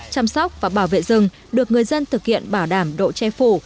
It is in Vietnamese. chăm sóc và bảo vệ rừng được người dân thực hiện bảo đảm độ che phủ